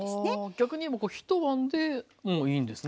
逆に言えば一晩でもういいんですね。